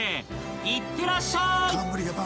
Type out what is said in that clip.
［いってらっしゃーい！］